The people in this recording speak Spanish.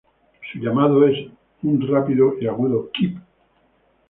Su llamado es un rápido y agudo kip.